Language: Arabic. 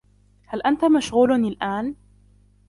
هل أنت مشغول الآن ؟